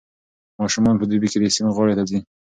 ماشومان په دوبي کې د سیند غاړې ته ځي.